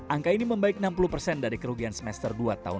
angka ini membaik enam puluh persen dari kerugian semester